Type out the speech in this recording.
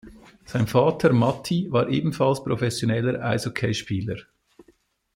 Sein Vater Matti war ebenfalls professioneller Eishockeyspieler.